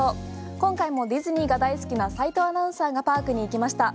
今回もディズニーが大好きな斎藤アナウンサーがパークに行きました。